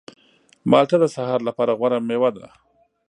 مالټه د سهار لپاره غوره مېوه ده.